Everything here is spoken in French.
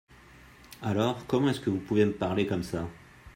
Alors ! Comment est-ce que vous pouvez me parlez comme ça ?